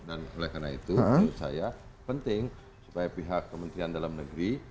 oleh karena itu menurut saya penting supaya pihak kementerian dalam negeri